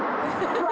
うわ。